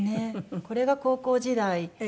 これが高校時代。